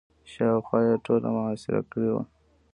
شاوخوا یې ټوله محاصره کړې وه.